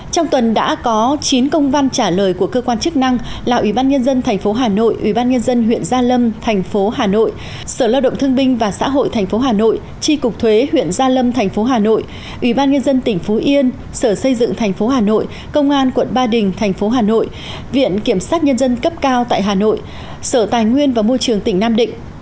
trong tuần đã có chín công văn trả lời của cơ quan chức năng là ủy ban nhân dân tp hà nội ủy ban nhân dân huyện gia lâm tp hà nội sở lao động thương binh và xã hội tp hà nội tri cục thuế huyện gia lâm tp hà nội ủy ban nhân dân tỉnh phú yên sở xây dựng tp hà nội công an quận ba đình tp hà nội viện kiểm sát nhân dân cấp cao tại hà nội sở tài nguyên và môi trường tỉnh nam định